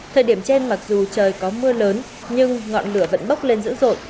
thời điểm trên mặc dù trời có mưa lớn nhưng ngọn lửa vẫn bốc lên dữ dội